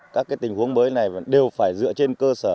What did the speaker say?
các tình huống mới này đều phải dựa trên cơ sở